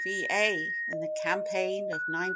Va. in the campaign of 1912.